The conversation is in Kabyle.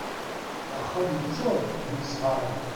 Axxam yeččur d isɣaren.